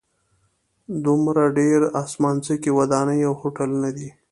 دومره ډېرې اسمانڅکي ودانۍ او هوټلونه دي.